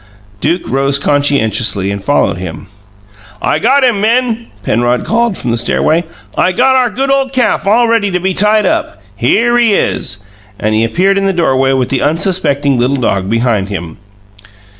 Duke rose conscientiously and followed him. "I got him, men!" Penrod called from the stairway. "I got our good ole calf all ready to be tied up. Here he is!" And he appeared in the doorway with the unsuspecting little dog beside him.